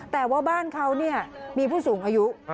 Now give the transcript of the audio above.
แต่ว่าบ้านเขามีผู้สูงอายุ